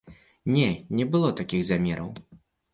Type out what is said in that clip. Не, не было такіх замераў!